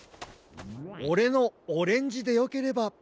オレのオレンジでよければ。